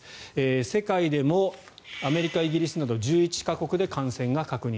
世界でもアメリカ、イギリスなど１１か国で感染が確認。